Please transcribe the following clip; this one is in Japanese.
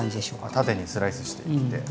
縦にスライスしていって。